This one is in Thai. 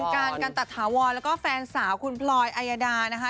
การกันตะถาวรแล้วก็แฟนสาวคุณพลอยอายดานะคะ